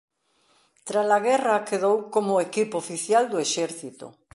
Trala guerra quedou como equipo oficial do exército.